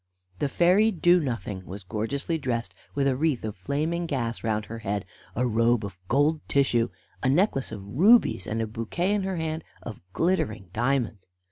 The fairy Do nothing was gorgeously dressed with a wreath of flaming gas round her head, a robe of gold tissue, a necklace of rubies, and a bouquet in her hand of glittering diamonds.